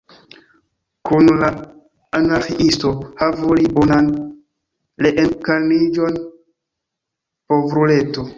Kun la Anarĥiisto – havu li bonan reenkarniĝon, povruleto!